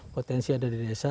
potensi ada di desa